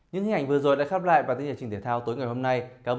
những hình ảnh vừa rồi đã khắp lại bản tin giải trình thể thao tối ngày hôm nay cảm